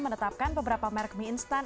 menetapkan beberapa merek mi instant